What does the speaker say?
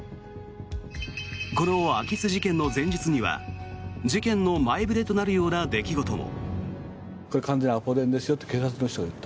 この空き巣事件の前日には事件の前触れとなるような出来事も。